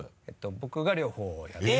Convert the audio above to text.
僕が両方やっている。